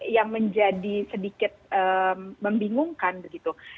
yang menjadi sedikit membingungkan begitu